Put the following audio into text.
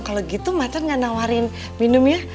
kalau gitu mata gak nawarin minum ya